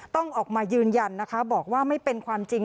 ต้องออกมายืนยันนะคะบอกว่าไม่เป็นความจริง